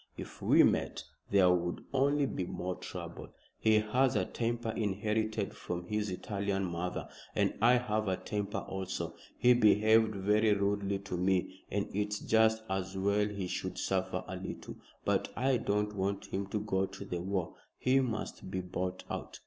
If we met, there would only be more trouble. He has a temper inherited from his Italian mother, and I have a temper also. He behaved very rudely to me, and it's just as well he should suffer a little. But I don't want him to go to the war. He must be bought out."